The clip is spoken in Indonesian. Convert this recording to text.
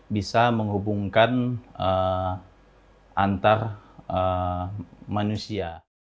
bisa menghubungkan antar manusia